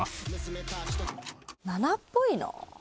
７っぽいの？